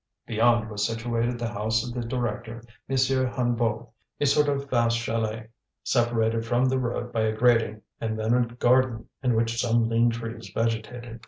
Beyond was situated the house of the director, M. Hennebeau, a sort of vast chalet, separated from the road by a grating, and then a garden in which some lean trees vegetated.